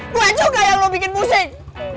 gua juga yang lu bikin pusing